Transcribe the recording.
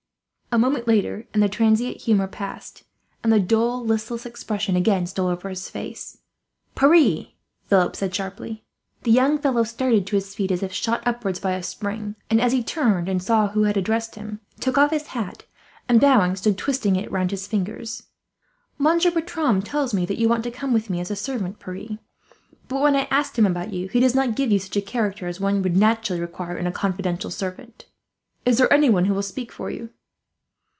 A moment later and the transient humour passed, and the dull, listless expression again stole over his face. "Pierre!" Philip said sharply. The young fellow started to his feet, as if shot upwards by a spring; and as he turned and saw who had addressed him, took off his cap and, bowing, stood twisting it round in his fingers. "Monsieur Bertram tells me you want to come with me as a servant, Pierre; but when I asked him about you, he does not give you such a character as one would naturally require in a confidential servant. Is there anyone who will speak for you?"